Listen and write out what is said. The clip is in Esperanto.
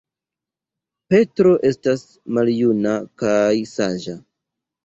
Petro estas maljuna kaj saĝa.